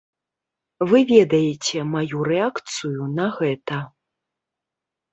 Вы ведаеце маю рэакцыю на гэта.